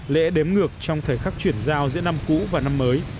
lễ đếm ngược trong thời khắc chuyển giao giữa năm cũ và năm mới